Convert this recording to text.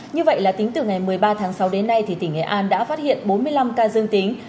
như vậy là tính từ ngày một mươi ba tháng sáu đến nay thì tỉnh nghệ an đã phát hiện bốn mươi năm ca dương tính